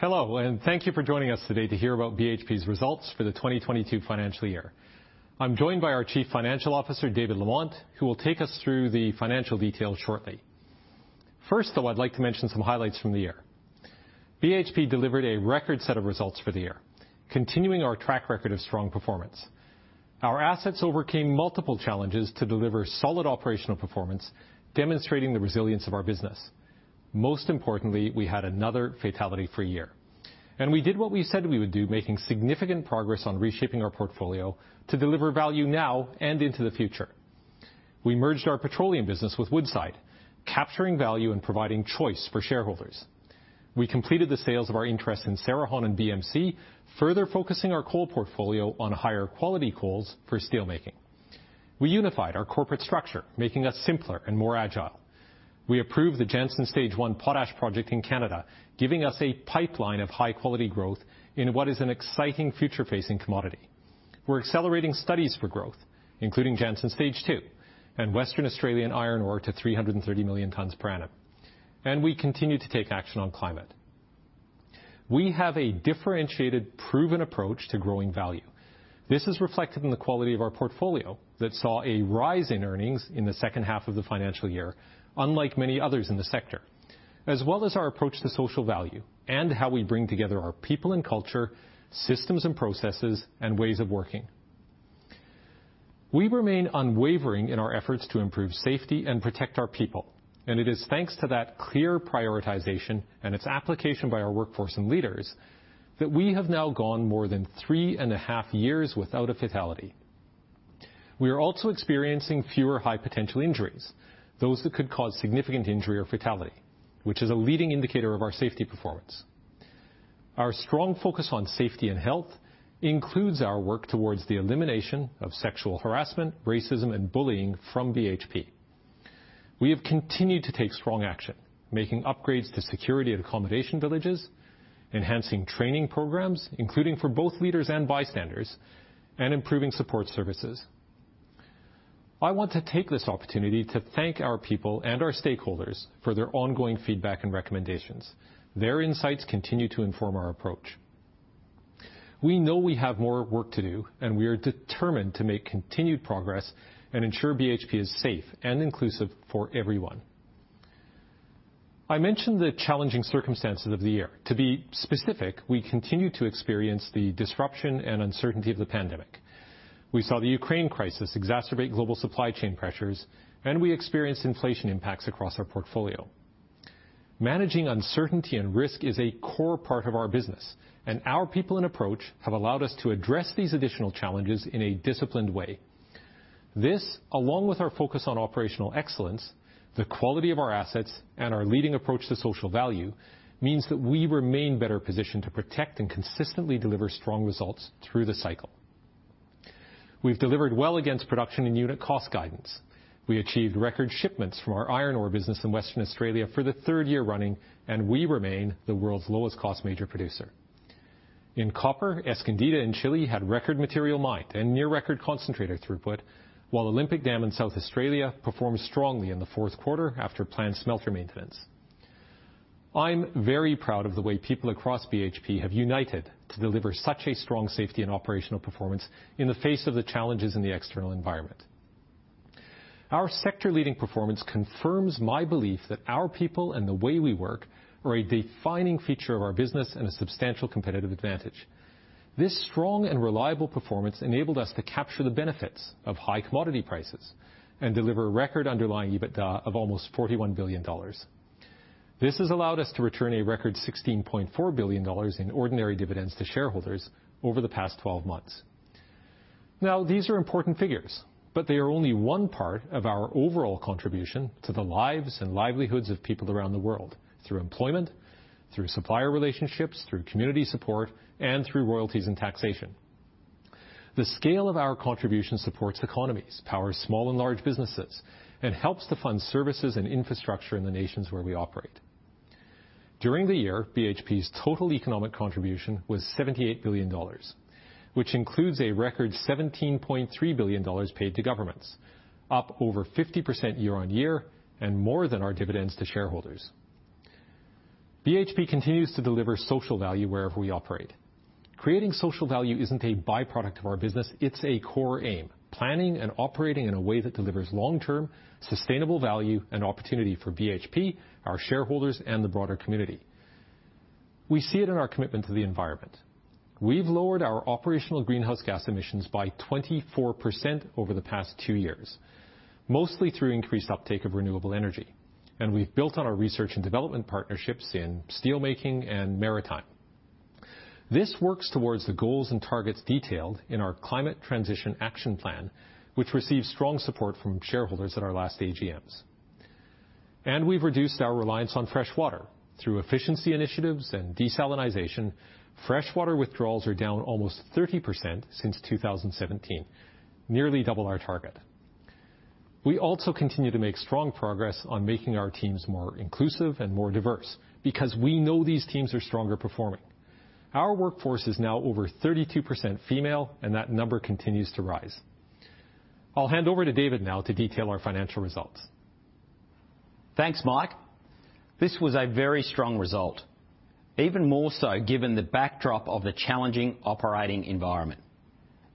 Hello, and thank you for joining us today to hear about BHP's results for the 2022 Financial Year. I'm joined by our Chief Financial Officer, David Lamont, who will take us through the financial details shortly. First, though, I'd like to mention some highlights from the year. BHP delivered a record set of results for the year, continuing our track record of strong performance. Our assets overcame multiple challenges to deliver solid operational performance, demonstrating the resilience of our business. Most importantly, we had another fatality-free year, and we did what we said we would do, making significant progress on reshaping our portfolio to deliver value now and into the future. We merged our petroleum business with Woodside, capturing value and providing choice for shareholders. We completed the sales of our interest in Cerrejón and BMC, further focusing our coal portfolio on higher quality coals for steel making. We unified our corporate structure, making us simpler and more agile. We approved the Jansen stage 1 potash project in Canada, giving us a pipeline of high quality growth in what is an exciting future-facing commodity. We're accelerating studies for growth, including Jansen stage 2 and Western Australian Iron Ore to 330 million tons per annum, and we continue to take action on climate. We have a differentiated, proven approach to growing value. This is reflected in the quality of our portfolio that saw a rise in earnings in the second half of the financial year, unlike many others in the sector, as well as our approach to social value and how we bring together our people and culture, systems and processes, and ways of working. We remain unwavering in our efforts to improve safety and protect our people, and it is thanks to that clear prioritization and its application by our workforce and leaders that we have now gone more than three and a half years without a fatality. We are also experiencing fewer high potential injuries, those that could cause significant injury or fatality, which is a leading indicator of our safety performance. Our strong focus on safety and health includes our work towards the elimination of sexual harassment, racism, and bullying from BHP. We have continued to take strong action, making upgrades to security at accommodation villages, enhancing training programs, including for both leaders and bystanders, and improving support services. I want to take this opportunity to thank our people and our stakeholders for their ongoing feedback and recommendations. Their insights continue to inform our approach. We know we have more work to do, and we are determined to make continued progress and ensure BHP is safe and inclusive for everyone. I mentioned the challenging circumstances of the year. To be specific, we continue to experience the disruption and uncertainty of the pandemic. We saw the Ukraine crisis exacerbate global supply chain pressures, and we experienced inflation impacts across our portfolio. Managing uncertainty and risk is a core part of our business, and our people and approach have allowed us to address these additional challenges in a disciplined way. This, along with our focus on operational excellence, the quality of our assets, and our leading approach to social value, means that we remain better positioned to protect and consistently deliver strong results through the cycle. We've delivered well against production and unit cost guidance. We achieved record shipments from our Iron Ore business in Western Australia for the third year running, and we remain the world's lowest cost major producer. In Copper, Escondida in Chile had record material mined and near record concentrator throughput, while Olympic Dam in South Australia performed strongly in the fourth quarter after planned smelter maintenance. I'm very proud of the way people across BHP have united to deliver such a strong safety and operational performance in the face of the challenges in the external environment. Our sector leading performance confirms my belief that our people and the way we work are a defining feature of our business and a substantial competitive advantage. This strong and reliable performance enabled us to capture the benefits of high commodity prices and deliver record underlying EBITDA of almost $41 billion. This has allowed us to return a record $16.4 billion in ordinary dividends to shareholders over the past 12 months. Now, these are important figures, but they are only one part of our overall contribution to the lives and livelihoods of people around the world through employment, through supplier relationships, through community support, and through royalties and taxation. The scale of our contribution supports economies, powers small and large businesses, and helps to fund services and infrastructure in the nations where we operate. During the year, BHP's total economic contribution was $78 billion, which includes a record $17.3 billion paid to governments, up over 50% year-on-year and more than our dividends to shareholders. BHP continues to deliver social value wherever we operate. Creating social value isn't a byproduct of our business, it's a core aim. Planning and operating in a way that delivers long-term, sustainable value and opportunity for BHP, our shareholders, and the broader community. We see it in our commitment to the environment. We've lowered our operational greenhouse gas emissions by 24% over the past two years, mostly through increased uptake of renewable energy, and we've built on our research and development partnerships in steel making and maritime. This works towards the goals and targets detailed in our Climate Transition Action Plan, which received strong support from shareholders at our last AGMs. We've reduced our reliance on fresh water. Through efficiency initiatives and desalination, fresh water withdrawals are down almost 30% since 2017, nearly double our target. We also continue to make strong progress on making our teams more inclusive and more diverse because we know these teams are stronger performing. Our workforce is now over 32% female, and that number continues to rise. I'll hand over to David now to detail our financial results. Thanks, Mike. This was a very strong result, even more so given the backdrop of the challenging operating environment.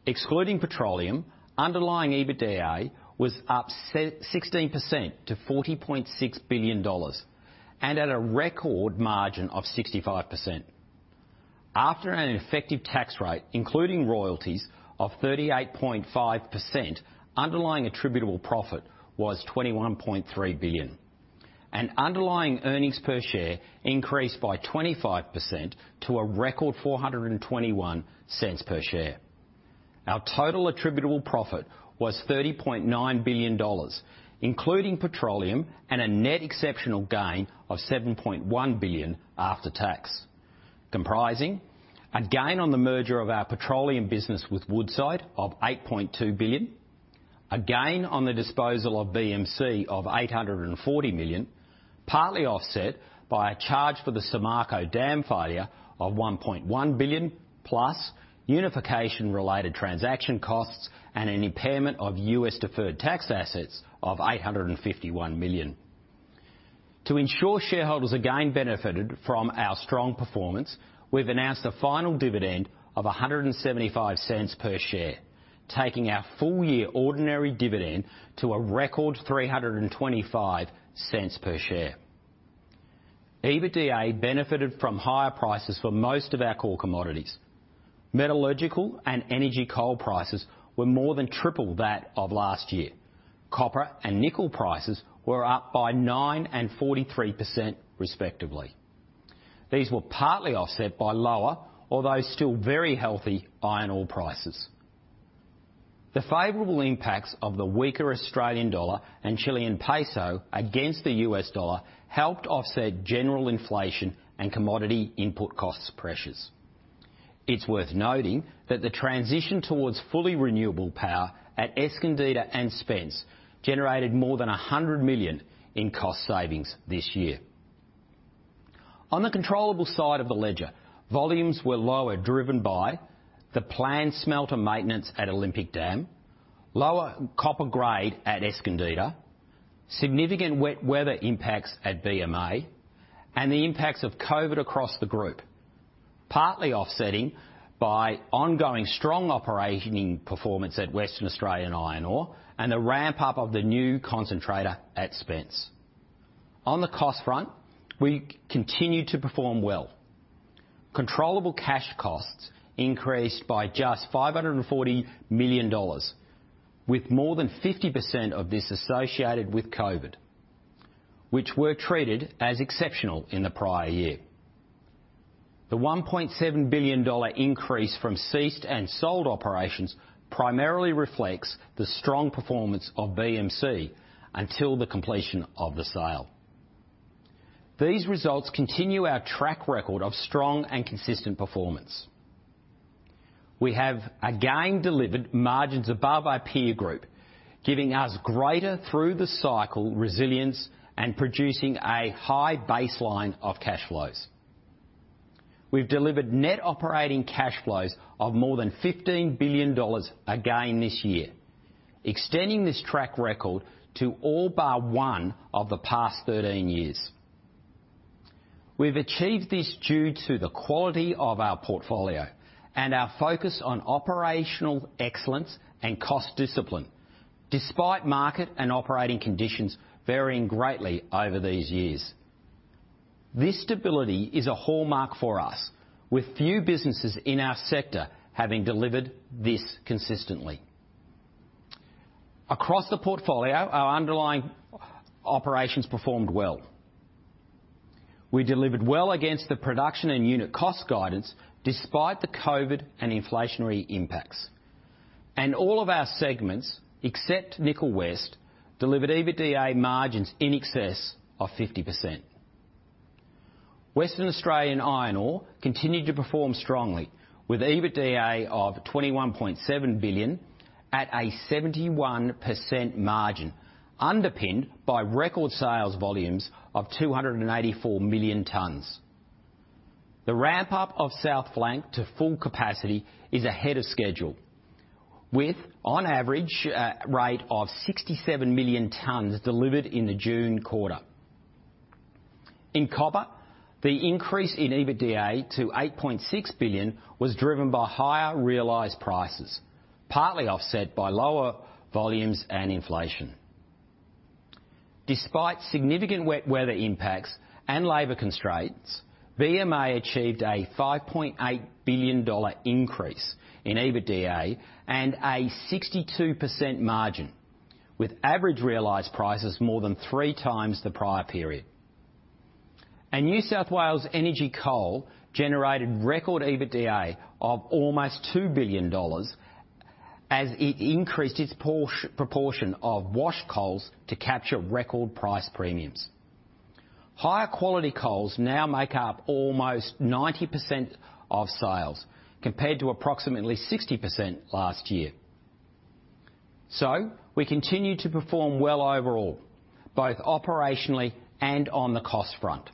Excluding petroleum, underlying EBITDA was up 16% to $40.6 billion and at a record margin of 65%. After an effective tax rate, including royalties, of 38.5%, underlying attributable profit was $21.3 billion. Underlying earnings per share increased by 25% to a record $4.21 per share. Our total attributable profit was $30.9 billion, including petroleum and a net exceptional gain of $7.1 billion after tax, comprising a gain on the merger of our petroleum business with Woodside of $8.2 billion, a gain on the disposal of BMC of $840 million, partly offset by a charge for the Samarco dam failure of $1.1 billion, plus unification-related transaction costs and an impairment of US deferred tax assets of $851 million. To ensure shareholders again benefited from our strong performance, we've announced a final dividend of $1.75 per share, taking our full year ordinary dividend to a record $3.25 per share. EBITDA benefited from higher prices for most of our core commodities. Metallurgical and energy coal prices were more than triple that of last year. Copper and nickel prices were up by 9% and 43% respectively. These were partly offset by lower, although still very healthy, iron ore prices. The favorable impacts of the weaker Australian dollar and Chilean peso against the US dollar helped offset general inflation and commodity input cost pressures. It's worth noting that the transition towards fully renewable power at Escondida and Spence generated more than $100 million in cost savings this year. On the controllable side of the ledger, volumes were lower, driven by the planned smelter maintenance at Olympic Dam, lower copper grade at Escondida, significant wet weather impacts at BMA, and the impacts of COVID across the Group, partly offset by ongoing strong operating performance at Western Australian Iron Ore and the ramp up of the new concentrator at Spence. On the cost front, we continued to perform well. Controllable cash costs increased by just $540 million, with more than 50% of this associated with COVID, which were treated as exceptional in the prior year. The $1.7 billion increase from ceased and sold operations primarily reflects the strong performance of BMC until the completion of the sale. These results continue our track record of strong and consistent performance. We have again delivered margins above our peer group, giving us greater through the cycle resilience and producing a high baseline of cash flows. We've delivered net operating cash flows of more than $15 billion again this year, extending this track record to all but one of the past 13 years. We've achieved this due to the quality of our portfolio and our focus on operational excellence and cost discipline, despite market and operating conditions varying greatly over these years. This stability is a hallmark for us, with few businesses in our sector having delivered this consistently. Across the portfolio, our underlying operations performed well. We delivered well against the production and unit cost guidance despite the COVID and inflationary impacts. All of our segments, except Nickel West, delivered EBITDA margins in excess of 50%. Western Australian Iron Ore continued to perform strongly with EBITDA of $21.7 billion at a 71% margin, underpinned by record sales volumes of 294 million tons. The ramp up of South Flank to full capacity is ahead of schedule, with on average, rate of 67 million tons delivered in the June quarter. In copper, the increase in EBITDA to $8.6 billion was driven by higher realized prices, partly offset by lower volumes and inflation. Despite significant wet weather impacts and labor constraints, BMA achieved a $5.8 billion increase in EBITDA and a 62% margin, with average realized prices more than 3x the prior period. New South Wales Energy Coal generated record EBITDA of almost $2 billion as it increased its proportion of washed coals to capture record price premiums. Higher quality coals now make up almost 90% of sales, compared to approximately 60% last year. We continue to perform well overall, both operationally and on the cost front.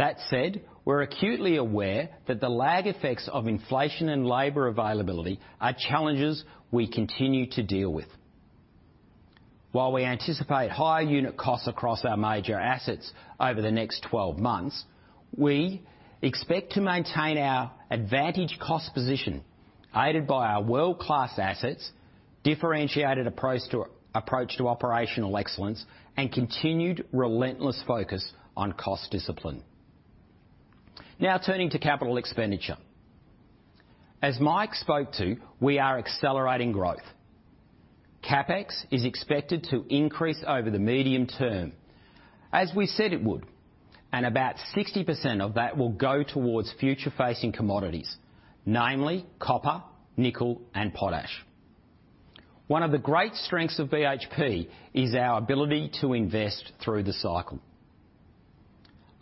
That said, we're acutely aware that the lag effects of inflation and labor availability are challenges we continue to deal with. While we anticipate higher unit costs across our major assets over the next 12 months, we expect to maintain our advantaged cost position aided by our world-class assets, differentiated approach to operational excellence, and continued relentless focus on cost discipline. Now turning to capital expenditure. As Mike spoke to, we are accelerating growth. CapEx is expected to increase over the medium term, as we said it would, and about 60% of that will go towards future-facing commodities, namely Copper, Nickel, and Potash. One of the great strengths of BHP is our ability to invest through the cycle.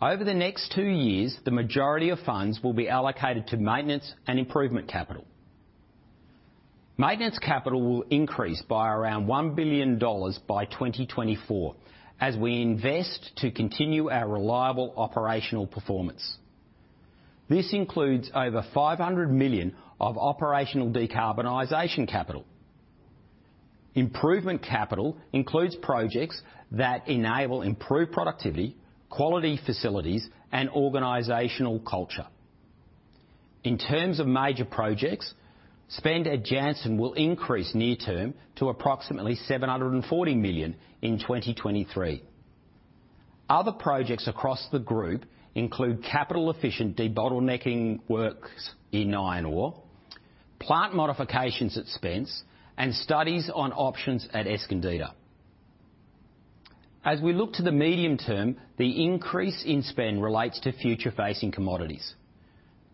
Over the next two years, the majority of funds will be allocated to maintenance and improvement capital. Maintenance capital will increase by around $1 billion by 2024 as we invest to continue our reliable operational performance. This includes over $500 million of operational decarbonization capital. Improvement capital includes projects that enable improved productivity, quality facilities, and organizational culture. In terms of major projects, spend at Jansen will increase near-term to approximately $740 million in 2023. Other projects across the group include capital-efficient debottlenecking works in iron ore, plant modifications at Spence, and studies on options at Escondida. As we look to the medium term, the increase in spend relates to future-facing commodities.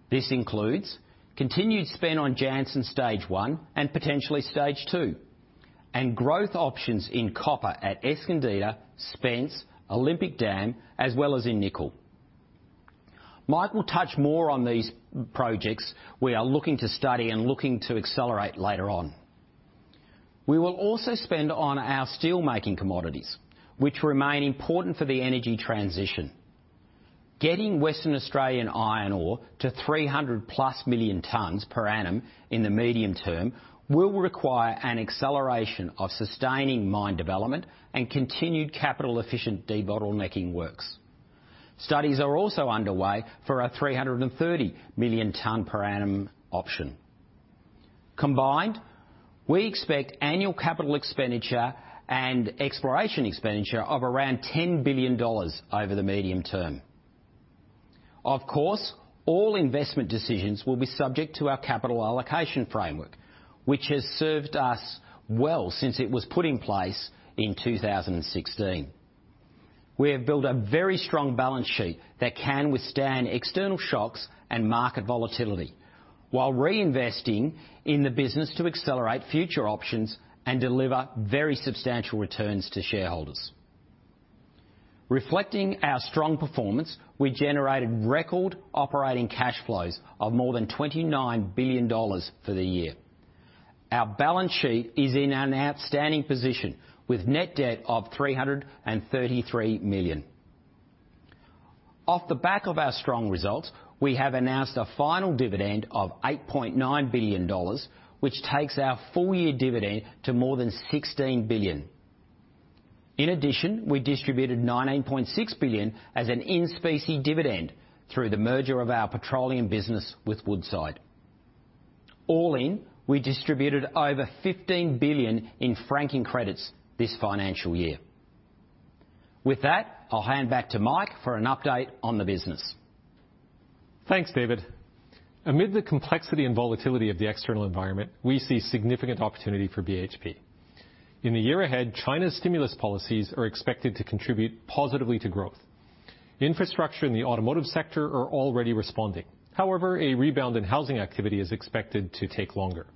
This includes continued spend on Jansen Stage 1 and potentially Stage 2, and growth options in copper at Escondida, Spence, Olympic Dam, as well as in nickel. Mike will touch more on these projects we are looking to study and looking to accelerate later on. We will also spend on our steel-making commodities, which remain important for the energy transition. Getting Western Australian Iron Ore to 300+ million tons per annum in the medium term will require an acceleration of sustaining mine development and continued capital-efficient debottlenecking works. Studies are also underway for our 330 million ton per annum option. Combined, we expect annual capital expenditure and exploration expenditure of around $10 billion over the medium term. Of course, all investment decisions will be subject to our capital allocation framework, which has served us well since it was put in place in 2016. We have built a very strong balance sheet that can withstand external shocks and market volatility while reinvesting in the business to accelerate future options and deliver very substantial returns to shareholders. Reflecting our strong performance, we generated record operating cash flows of more than $29 billion for the year. Our balance sheet is in an outstanding position, with net debt of $333 million. Off the back of our strong results, we have announced a final dividend of $8.9 billion, which takes our full-year dividend to more than $16 billion. In addition, we distributed $19.6 billion as an in-specie dividend through the merger of our petroleum business with Woodside. All in, we distributed over $15 billion in franking credits this financial year. With that, I'll hand back to Mike for an update on the business. Thanks, David. Amid the complexity and volatility of the external environment, we see significant opportunity for BHP. In the year ahead, China's stimulus policies are expected to contribute positively to growth. Infrastructure in the automotive sector are already responding. However, a rebound in housing activity is expected to take longer.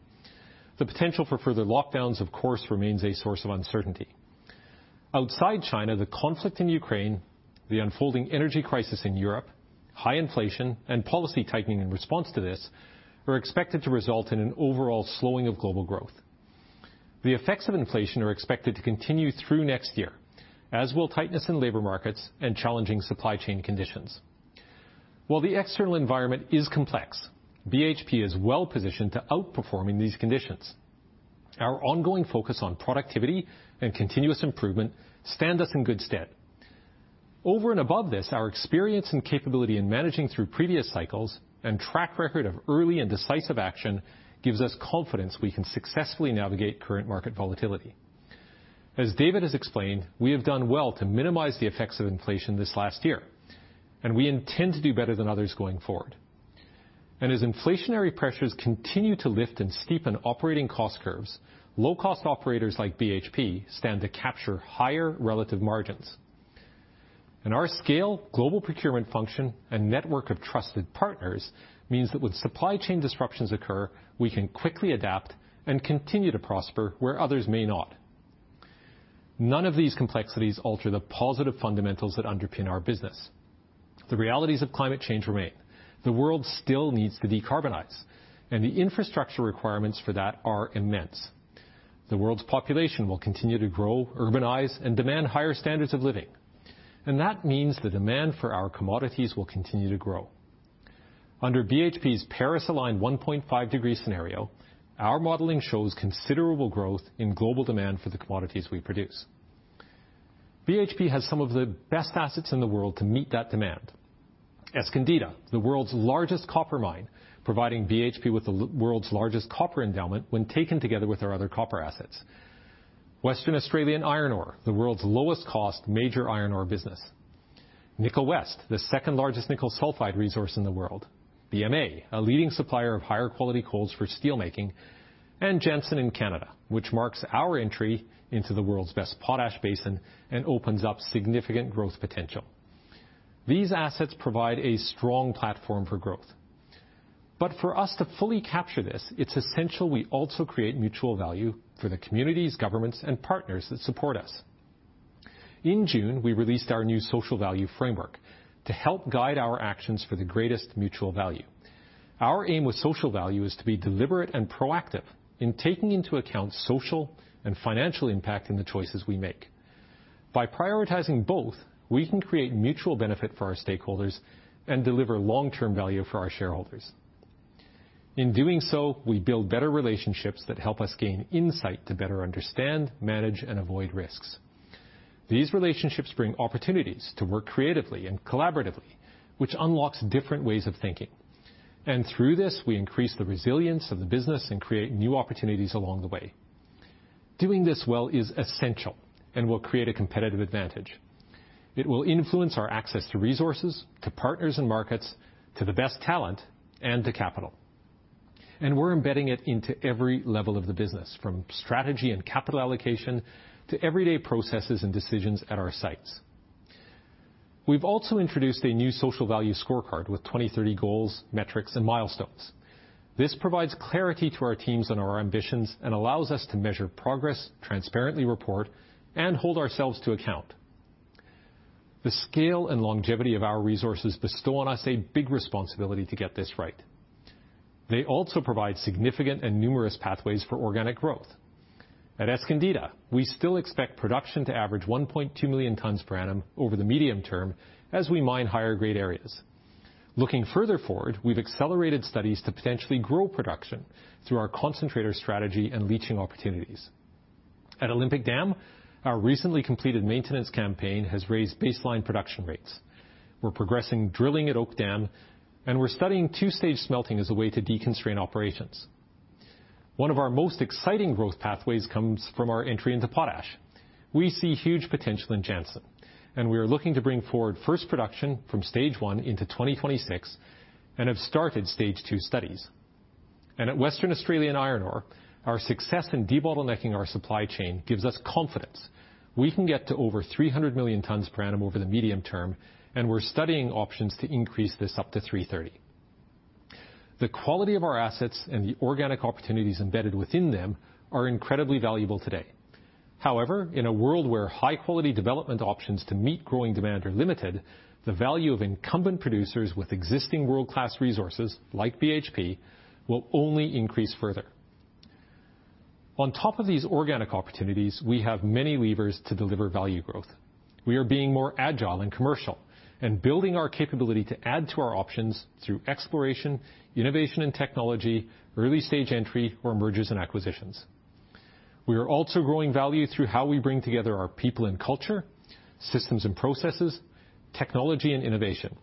The potential for further lockdowns, of course, remains a source of uncertainty. Outside China, the conflict in Ukraine, the unfolding energy crisis in Europe, high inflation, and policy tightening in response to this are expected to result in an overall slowing of global growth. The effects of inflation are expected to continue through next year, as will tightness in labor markets and challenging supply chain conditions. While the external environment is complex, BHP is well-positioned to outperform these conditions. Our ongoing focus on productivity and continuous improvement stand us in good stead. Over and above this, our experience and capability in managing through previous cycles and track record of early and decisive action gives us confidence we can successfully navigate current market volatility. As David has explained, we have done well to minimize the effects of inflation this last year, and we intend to do better than others going forward. As inflationary pressures continue to lift and steepen operating cost curves, low-cost operators like BHP stand to capture higher relative margins. Our scale, global procurement function, and network of trusted partners means that when supply chain disruptions occur, we can quickly adapt and continue to prosper where others may not. None of these complexities alter the positive fundamentals that underpin our business. The realities of climate change remain. The world still needs to decarbonize, and the infrastructure requirements for that are immense. The world's population will continue to grow, urbanize, and demand higher standards of living. That means the demand for our commodities will continue to grow. Under BHP's Paris-aligned 1.5°C scenario, our modeling shows considerable growth in global demand for the commodities we produce. BHP has some of the best assets in the world to meet that demand. Escondida, the world's largest copper mine, providing BHP with the world's largest copper endowment when taken together with our other copper assets. Western Australian Iron Ore, the world's lowest cost major iron ore business. Nickel West, the second-largest nickel sulfide resource in the world. BMA, a leading supplier of higher quality coals for steel making, and Jansen in Canada, which marks our entry into the world's best potash basin and opens up significant growth potential. These assets provide a strong platform for growth. For us to fully capture this, it's essential we also create mutual value for the communities, governments, and partners that support us. In June, we released our new social value framework to help guide our actions for the greatest mutual value. Our aim with social value is to be deliberate and proactive in taking into account social and financial impact in the choices we make. By prioritizing both, we can create mutual benefit for our stakeholders and deliver long-term value for our shareholders. In doing so, we build better relationships that help us gain insight to better understand, manage, and avoid risks. These relationships bring opportunities to work creatively and collaboratively, which unlocks different ways of thinking. Through this, we increase the resilience of the business and create new opportunities along the way. Doing this well is essential and will create a competitive advantage. It will influence our access to resources, to partners and markets, to the best talent, and to capital. We're embedding it into every level of the business, from strategy and capital allocation to everyday processes and decisions at our sites. We've also introduced a new social value scorecard with 2030 goals, metrics, and milestones. This provides clarity to our teams and our ambitions and allows us to measure progress, transparently report, and hold ourselves to account. The scale and longevity of our resources bestow on us a big responsibility to get this right. They also provide significant and numerous pathways for organic growth. At Escondida, we still expect production to average 1.2 million tons per annum over the medium term as we mine higher-grade areas. Looking further forward, we've accelerated studies to potentially grow production through our concentrator strategy and leaching opportunities. At Olympic Dam, our recently completed maintenance campaign has raised baseline production rates. We're progressing drilling at Oak Dam, and we're studying two-stage smelting as a way to deconstrain operations. One of our most exciting growth pathways comes from our entry into Potash. We see huge potential in Jansen, and we are looking to bring forward first production from stage one into 2026 and have started stage two studies. At Western Australian Iron Ore, our success in debottlenecking our supply chain gives us confidence. We can get to over 300 million tons per annum over the medium term, and we're studying options to increase this up to 330. The quality of our assets and the organic opportunities embedded within them are incredibly valuable today. However, in a world where high-quality development options to meet growing demand are limited, the value of incumbent producers with existing world-class resources, like BHP, will only increase further. On top of these organic opportunities, we have many levers to deliver value growth. We are being more agile and commercial and building our capability to add to our options through exploration, innovation and technology, early-stage entry, or mergers and acquisitions. We are also growing value through how we bring together our people and culture, systems and processes, technology and innovation.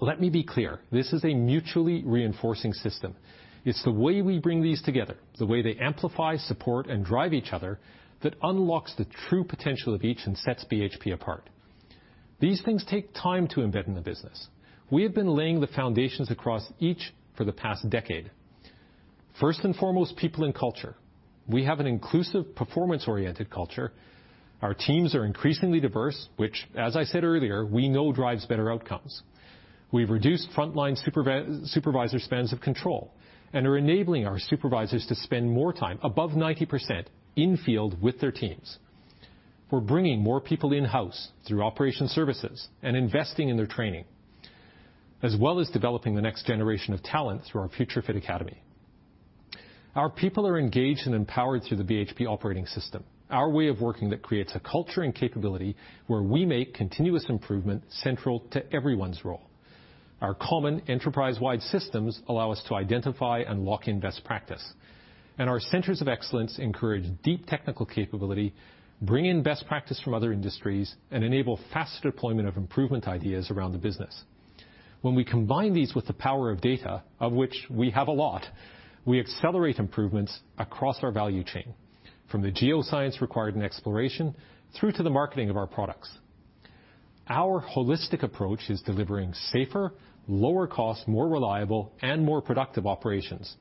Let me be clear, this is a mutually reinforcing system. It's the way we bring these together, the way they amplify, support, and drive each other, that unlocks the true potential of each and sets BHP apart. These things take time to embed in the business. We have been laying the foundations across each for the past decade. First and foremost, people and culture. We have an inclusive, performance-oriented culture. Our teams are increasingly diverse, which, as I said earlier, we know drives better outcomes. We've reduced frontline supervisor spans of control and are enabling our supervisors to spend more time, above 90%, in-field with their teams. We're bringing more people in-house through operation services and investing in their training, as well as developing the next generation of talent through our FutureFit Academy. Our people are engaged and empowered through the BHP Operating System, our way of working that creates a culture and capability where we make continuous improvement central to everyone's role. Our common enterprise-wide systems allow us to identify and lock in best practice. Our centers of excellence encourage deep technical capability, bring in best practice from other industries, and enable faster deployment of improvement ideas around the business. When we combine these with the power of data, of which we have a lot, we accelerate improvements across our value chain, from the geoscience required in exploration through to the marketing of our products. Our holistic approach is delivering safer, lower cost, more reliable, and more productive operations,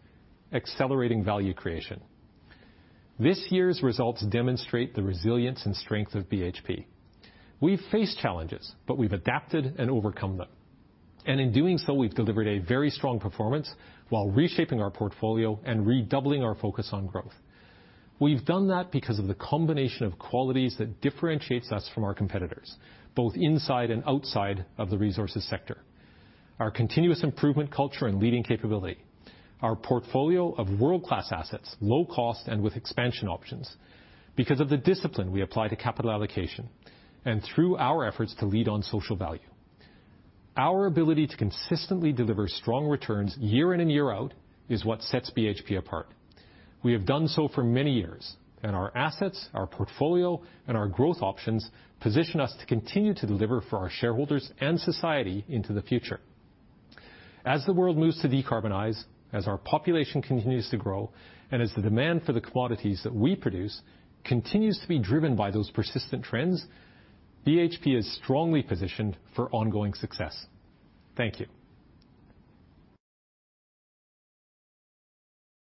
accelerating value creation. This year's results demonstrate the resilience and strength of BHP. We face challenges, but we've adapted and overcome them. In doing so, we've delivered a very strong performance while reshaping our portfolio and redoubling our focus on growth. We've done that because of the combination of qualities that differentiates us from our competitors, both inside and outside of the resources sector. Our continuous improvement culture and leading capability, our portfolio of world-class assets, low cost and with expansion options, because of the discipline we apply to capital allocation, and through our efforts to lead on social value. Our ability to consistently deliver strong returns year in and year out is what sets BHP apart. We have done so for many years, and our assets, our portfolio, and our growth options position us to continue to deliver for our shareholders and society into the future. As the world moves to decarbonize, as our population continues to grow, and as the demand for the commodities that we produce continues to be driven by those persistent trends, BHP is strongly positioned for ongoing success. Thank you.